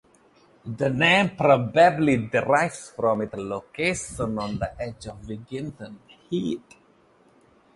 The name probably derives from its location on the edge of Wigginton Heath.